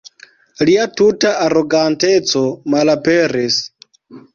Lia tuta aroganteco malaperis.